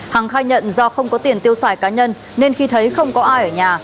hằng khai nhận do không có tiền tiêu xài cá nhân nên khi thấy không có ai ở nhà